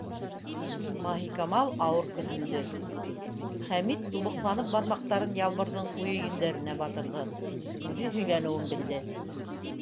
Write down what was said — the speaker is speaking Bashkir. Маһикамал ауыр көрһөндө, Хәмит тубыҡланып бармаҡтарын Ялбырҙың ҡуйы йөндәренә батырҙы, үҙе һөйләнеүен белде: